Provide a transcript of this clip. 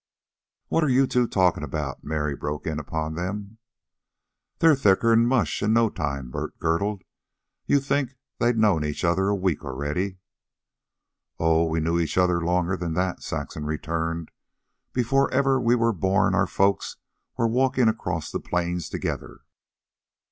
"What are you two talkin' about?" Mary broke in upon them. "They're thicker'n mush in no time," Bert girded. "You'd think they'd known each other a week already." "Oh, we knew each other longer than that," Saxon returned. "Before ever we were born our folks were walkin' across the plains together."